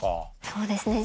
そうですね。